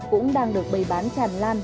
cũng đang được bày bán tràn lan